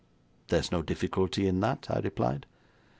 'There's no difficulty in that,' I replied.